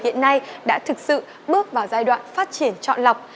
hiện nay đã thực sự bước vào giai đoạn phát triển chọn lọc